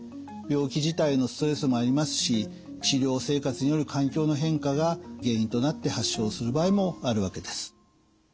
病気自体のストレスもありますし治療生活による環境の変化が原因となって発症する場合もあるわけです。